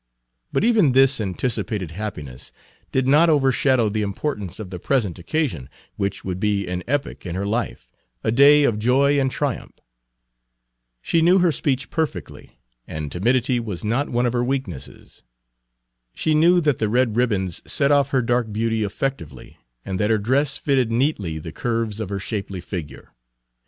But even this anticipated happiness did not overshadow the importance of the present occasion, which would be an epoch in her life, a day of joy and triumph. She knew her speech perfectly, and timidity was not one of her weaknesses. She knew that the red ribbons set off her dark beauty effectively, and that her dress fitted neatly the curves of her shapely figure.